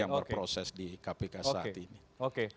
yang berproses di kpk saat ini